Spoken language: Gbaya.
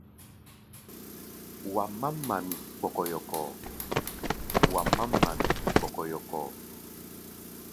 Wa mám mamí kpɔkɔyɔkɔ.